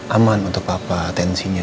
aku pengen pastiin semuanya